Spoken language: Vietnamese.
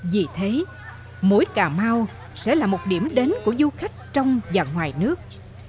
vì thế mỗi cà mau sẽ là một điểm đến của du khách trong và ngoài nước